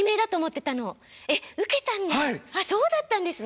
そうだったんですね。